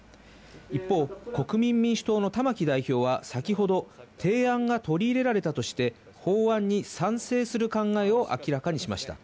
一方、国民民主党の玉木代表は先ほど、提案が取り入れられたとして、法案に賛成する考えを明らかにしました。